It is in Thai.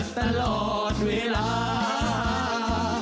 ตลอดเวลา